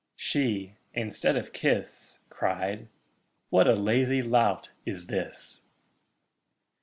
She, instead of kiss, Cried, 'What a lazy lout is this!'